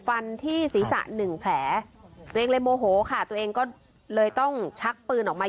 ฟันที่ศีรษะหนึ่งแผลตัวเองเลยโมโหค่ะตัวเองก็เลยต้องชักปืนออกมา